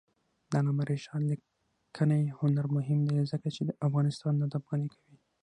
د علامه رشاد لیکنی هنر مهم دی ځکه چې افغانستان ادب غني کوي.